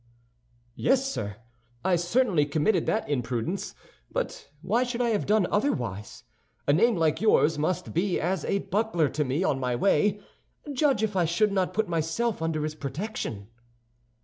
"Yes, sir, I certainly committed that imprudence; but why should I have done otherwise? A name like yours must be as a buckler to me on my way. Judge if I should not put myself under its protection."